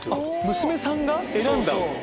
娘さんが選んだ！